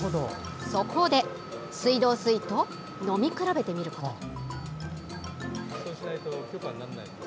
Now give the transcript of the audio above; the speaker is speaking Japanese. そこで、水道水と飲み比べてみることに。